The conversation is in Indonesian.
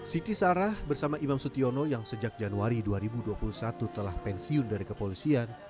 siti sarah bersama imam sutyono yang sejak januari dua ribu dua puluh satu telah pensiun dari kepolisian